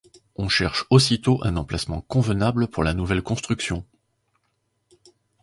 On cherche aussitôt un emplacement convenable pour la nouvelle construction.